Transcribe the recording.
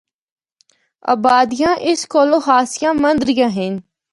آبادیاں اس کولو خاصیاں مندریاں ہن۔